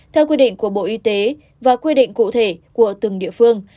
theo quy định của bộ y tế và quy định cụ thể của từng địa phương